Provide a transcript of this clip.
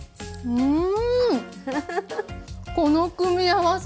うん。